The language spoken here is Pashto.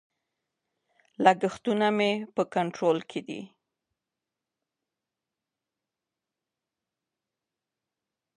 لګښتونه مې په کنټرول کې دي.